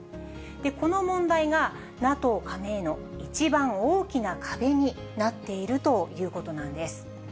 この問題が、ＮＡＴＯ加盟への一番大きな壁になっているということなんです。